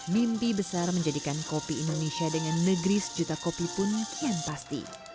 mimpi besar menjadikan kopi indonesia dengan negeri sejuta kopi pun kian pasti